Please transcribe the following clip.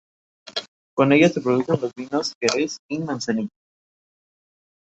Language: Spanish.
Es así como todas las viviendas son básicamente iguales.